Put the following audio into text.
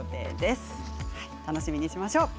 楽しみにしましょう。